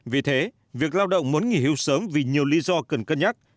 vì thế việc lao động muốn nghỉ hưu sớm vì nhiều lý do cần cân nhắc